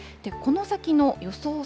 この先の予想